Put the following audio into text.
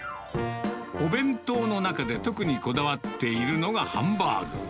お弁当の中で特にこだわっているのがハンバーグ。